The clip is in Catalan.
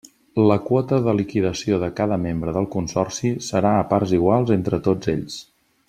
La quota de liquidació de cada membre del consorci serà a parts igual entre tots ells.